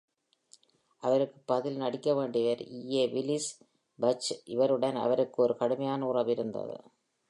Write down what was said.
அவருக்குப் பதில் நடிக்கவேண்டியவர் E. A. Wallis Budge, இவருடன் அவருக்கு ஒரு கடுமையான உறவு இருந்தது.